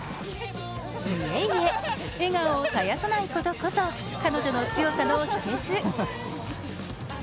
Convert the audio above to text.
いえいえ、笑顔を絶やさないことこそ彼女の強さの秘けつ。